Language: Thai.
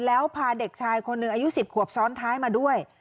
แล้วพาเด็กชายคนหนึ่งอายุ๑๐ขวบซ้อนท้ายมาด้วย